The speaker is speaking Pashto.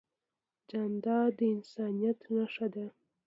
جانداد د انسانیت نښه ده.